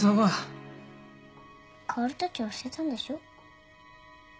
薫たちを捨てたんでしょ。